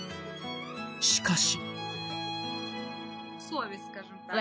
しかし。